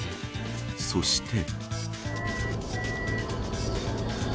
そして。